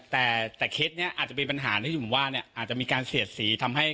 แต่เคสนี้อาจจะเป็นปัญหาที่ผมว่าอาจจะมีการเสียดสี